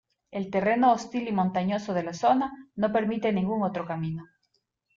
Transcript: El terreno hostil y montañoso de la zona no permite ningún otro camino.